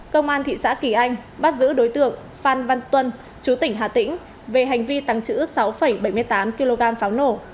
công an thị xã kỳ anh bắt giữ đối tượng phan văn tuân chú tỉnh hà tĩnh về hành vi tăng trữ sáu bảy mươi tám kg pháo nổ